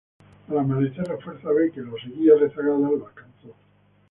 Al amanecer, la Fuerza B, que lo seguía rezagada, lo alcanzó.